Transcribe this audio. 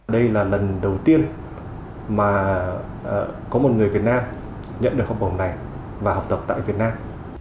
đây là lần đầu tiên mà có một người việt nam nhận được học bổng này và học tập tại việt nam